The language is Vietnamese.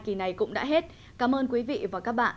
kỳ này cũng đã hết cảm ơn quý vị và các bạn